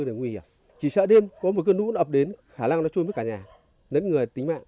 đang bị ảnh hưởng nghiêm trọng do sạt lở